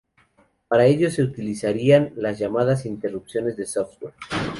Para ello se utilizarían las llamadas interrupciones de software.